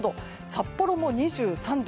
札幌も２３度。